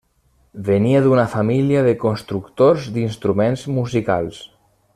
Venia d'una família de constructors d'instruments musicals.